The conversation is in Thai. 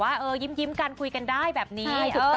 ไม่ต้องเขียนกันหรอกก็ยิ้มกันคุยกันได้แบบนี้